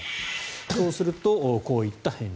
そうすると、こういった返事。